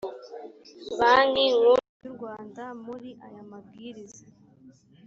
banki nkuru y u rwanda muri aya mabwiriza